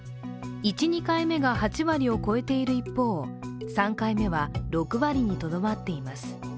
１、２回目が８割を超えている一方３回目は６割にとどまっています。